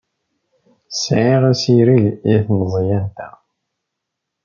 Sɛiɣ assireg i tmeẓyant-a.